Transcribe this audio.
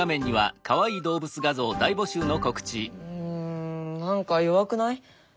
うん何か弱くない？